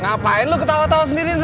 ngapain lu ketawa tawa sendiri lu